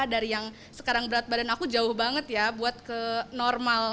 dari yang sekarang berat badan aku jauh banget ya buat ke normal